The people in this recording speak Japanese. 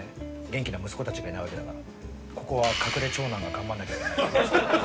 元気な息子たちがいないわけだからここは隠れ長男が頑張んなきゃいけない。